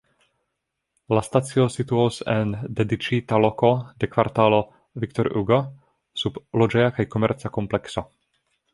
La stacio situos en dediĉita loko de kvartalo Victor-Hugo, sub loĝeja kaj komerca komplekso.